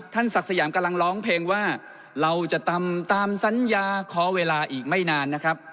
ศักดิ์สยามกำลังร้องเพลงว่าเราจะทำตามสัญญาขอเวลาอีกไม่นานนะครับ